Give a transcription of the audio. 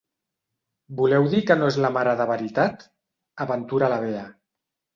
Voleu dir que no és la mare de veritat? –aventura la Bea–.